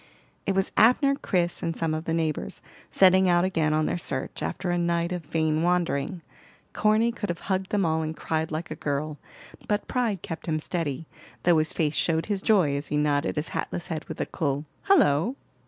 It was Abner, Chris, and some of the neighbors, setting out again on their search, after a night of vain wandering. Corny could have hugged them all and cried like a girl; but pride kept him steady, though his face showed his joy as he nodded his hatless head with a cool "Hullo!"